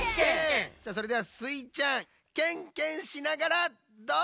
それではスイちゃんケンケンしながらどうぞ！